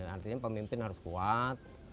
artinya pemimpin harus kuat